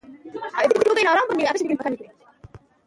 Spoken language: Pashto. د فلزکارۍ هنر په کندز کې وده کړې ده.